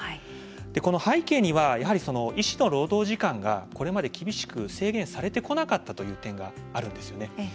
この背景にはやはり医師の労働時間がこれまで厳しく制限されてこなかったという点があるんですよね。